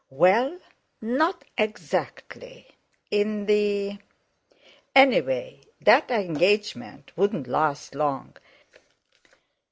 Well—not exactly. In the.... Anyway, that engagement wouldn't last long.